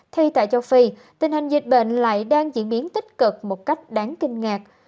thì tại châu phi tình hình dịch bệnh lại đang diễn biến tích cực một cách đáng kinh ngạc